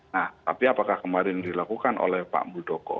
nah tapi apakah kemarin dilakukan oleh pak muldoko